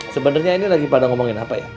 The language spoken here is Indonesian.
sebenarnya ini lagi pada ngomongin apa ya